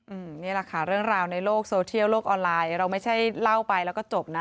อืมนี่แหละค่ะเรื่องราวในโลกโซเทียลโลกออนไลน์เราไม่ใช่เล่าไปแล้วก็จบนะ